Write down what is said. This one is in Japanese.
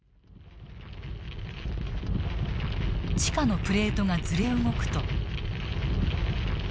地下のプレートがずれ動くと。